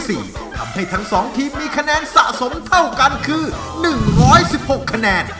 ทำให้ทั้ง๒ทีมมีคะแนนสะสมเท่ากันคือ๑๑๖คะแนน